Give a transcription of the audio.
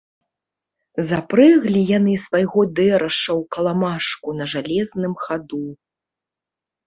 Запрэглі яны свайго дэраша ў каламажку на жалезным хаду.